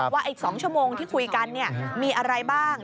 ว่าอีก๒ชั่วโมงที่คุยกันมีอะไรบ้าง